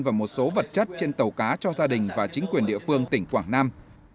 và một số vật chất trên tàu cá cho gia đình và chính quyền địa phương tỉnh quảng nam